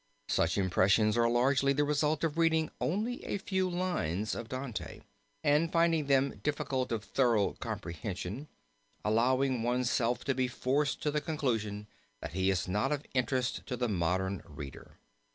Such impressions are largely the result of reading only a few lines of Dante, and, finding them difficult of thorough comprehension, allowing one's self to be forced to the conclusion that he is not of interest to the modern reader.